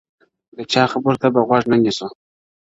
د چا خبرو ته به غوږ نه نيسو,